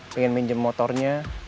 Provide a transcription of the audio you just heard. pengen minjem motornya